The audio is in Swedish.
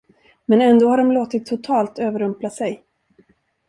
Men ändå har de låtit totalt överrumpla sig.